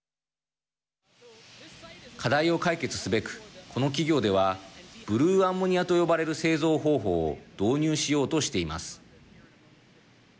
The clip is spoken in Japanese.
課題を解決すべく、この企業ではブルーアンモニアと呼ばれる製造方法を導入しようとしています。